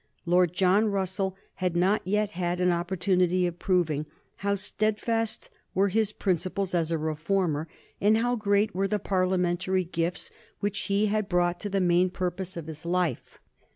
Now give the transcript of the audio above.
Lord John Russell had not yet had an opportunity of proving how steadfast were his principles as a reformer, and how great were the Parliamentary gifts which he had brought to the main purpose of his life.